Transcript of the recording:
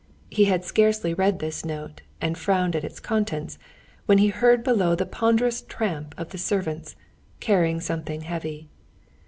He had scarcely read this note, and frowned at its contents, when he heard below the ponderous tramp of the servants, carrying something heavy.